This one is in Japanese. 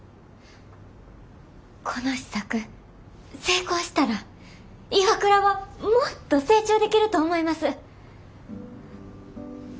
この試作成功したらＩＷＡＫＵＲＡはもっと成長できると思います。